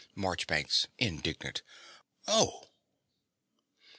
MARCHBANKS (indignant). Oh!